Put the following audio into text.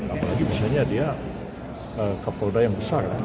apalagi misalnya dia kapolda yang besar kan